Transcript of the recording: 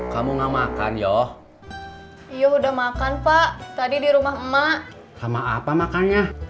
kamu gak makan ya udah makan pak tadi di rumah emak sama apa makannya